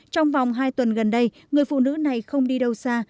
trong vòng hai tuần gần đây người phụ nữ này không đi đâu xa